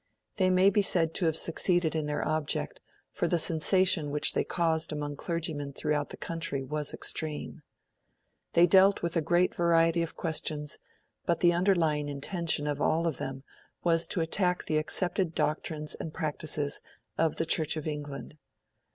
They may be said to have succeeded in their objective, for the sensation which they caused among clergymen throughout the country was extreme. They dealt with a great variety of questions, but the underlying intention of all of them was to attack the accepted doctrines and practices of the Church of England.